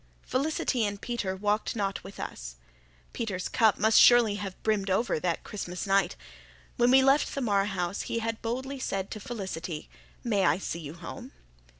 Felicity and Peter walked not with us. Peter's cup must surely have brimmed over that Christmas night. When we left the Marr house, he had boldly said to Felicity, "May I see you home?"